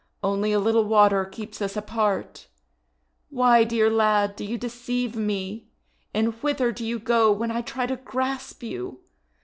only a little water keeps us apart! Why, dear lad, do you deceive me, and whither do you go when I try to grasp you?